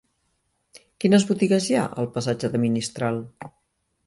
Quines botigues hi ha al passatge de Ministral?